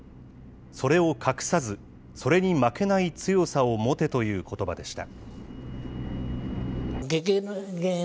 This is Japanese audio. それを隠さず、それに負けない強さを持てということばでした。